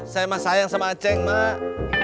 saya mah sayang sama aceh mak